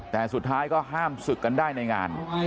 แต่สุดท้ายก็ห้ามศึกกันได้ในงาน